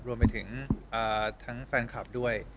รวมไปถึงทั้งแฟนคลับด้วย